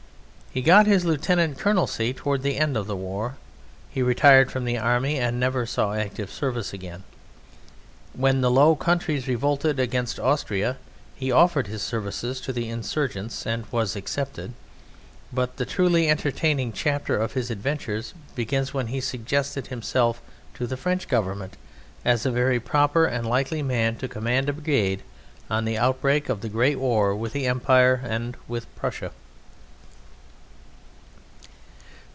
He got his lieutenant colonelcy towards the end of the war. He retired from the Army and never saw active service again. When the Low Countries revolted against Austria he offered his services to the insurgents and was accepted, but the truly entertaining chapter of his adventures begins when he suggested himself to the French Government as a very proper and likely man to command a brigade on the outbreak of the great war with the Empire and with Prussia.